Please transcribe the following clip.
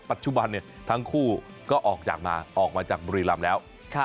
ปัจจุบันทั้งคู่ก็ออกมาจากบริรัมณ์แล้ว